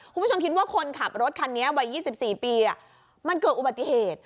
คุณผู้ชมคิดว่าคนขับรถคันนี้วัย๒๔ปีมันเกิดอุบัติเหตุ